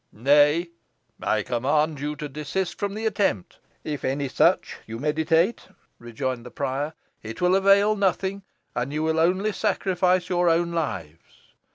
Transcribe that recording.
"Nay, I command you to desist from the attempt, if any such you meditate," rejoined the prior; "it will avail nothing, and you will only sacrifice your own lives.